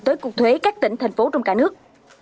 tới cục thuế các tỉnh thành phố trong cả nước